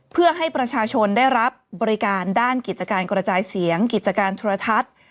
เพื่อให้ประชาชนได้รับบริการด้านกิจการกระจายเสียงกิจการโทรทัศน์